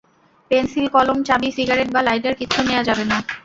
Pencil, কলম, চাবি, cigarette বা লাইটার, কিচ্ছু নেয়া যাবে না।